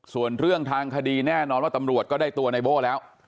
ส่วนเรื่องทางคดีแน่นอนว่าตำรวจก็ได้ตัวในโบ้แล้ว